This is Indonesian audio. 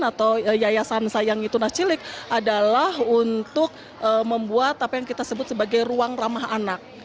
kalau yayasan sayang itu nascilik adalah untuk membuat apa yang kita sebut sebagai ruang ramah anak